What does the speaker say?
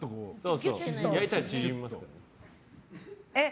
焼いたら縮みますから。